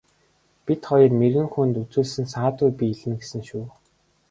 Бид хоёр мэргэн хүнд үзүүлсэн саадгүй биелнэ гэсэн шүү.